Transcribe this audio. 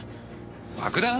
爆弾！？